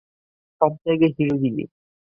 সব জায়গায় হিরো গিরি!